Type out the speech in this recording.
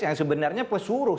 yang sebenarnya pesuruh